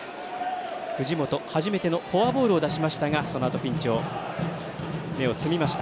藤本、初めてのフォアボールを出しましたがそのあとピンチの芽を摘みました。